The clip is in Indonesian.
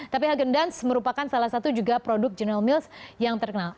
tapi hagen danz merupakan salah satu juga produk general mills yang terkenal